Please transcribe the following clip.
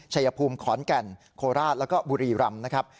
ชายภูมิขอนแก่นโคราชแล้วก็บุรีรำนะครับ